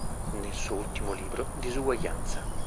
Nel suo ultimo libro, "Disuguaglianza.